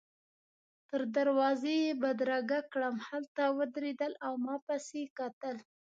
تر دروازې يې بدرګه کړم، هلته ودرېدل او ما پسي کتل.